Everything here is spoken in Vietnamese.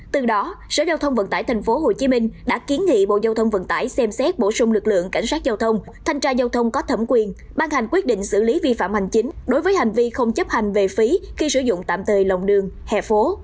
từ đó sở giao thông vận tải tp hcm đã kiến nghị bộ giao thông vận tải xem xét bổ sung lực lượng cảnh sát giao thông thanh tra giao thông có thẩm quyền ban hành quyết định xử lý vi phạm hành chính đối với hành vi không chấp hành về phí khi sử dụng tạm thời lòng đường hè phố